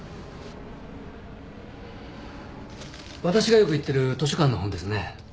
わたしがよく行ってる図書館の本ですね。